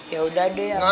ya udah deh abah